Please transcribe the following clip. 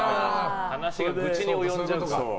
話が愚痴に及んじゃうか。